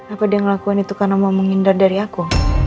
apa dia ngelakuan itu karena mau menghindar dari aku